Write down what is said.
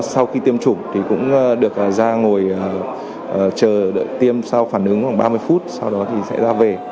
sau khi tiêm chủng thì cũng được ra ngồi chờ đợi tiêm sau phản ứng khoảng ba mươi phút sau đó thì sẽ ra về